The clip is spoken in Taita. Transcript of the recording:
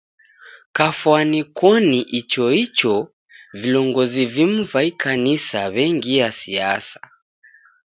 Kwafwani koni icho icho, vilongozi vimu va ikanisa w'engia siasa.